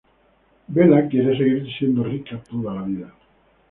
Bela quiere seguir siendo rica toda la vida.